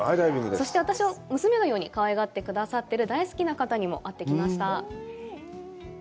そして私を娘のようにかわいがってくださってる大好きな方にも会ってきました。